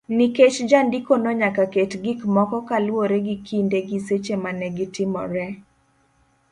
nikech jandikono nyaka ket gik moko kaluwore gi kinde gi seche ma ne gitimoree.